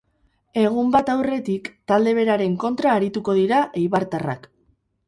Egun bat aurretik, talde beraren kontra arituko dira eibartarrak.